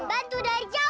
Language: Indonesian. hah tah tah tah